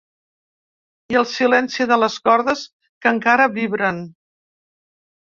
I el silenci de les cordes que encara vibren.